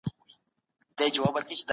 هغه په ډېر دقت سره د حجرې جوړښت تشریح کوي.